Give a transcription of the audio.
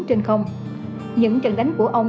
trên không những trận đánh của ông